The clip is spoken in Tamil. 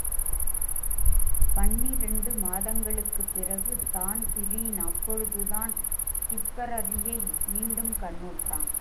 பன்னிரண்டு மாதங்களுக்குப் பிறகு தான்பிரீன் அப்பொழுதுதான் திப்பெரரியை மீண்டும் கண்ணுற்றான்.